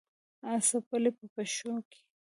څپلۍ په پښو که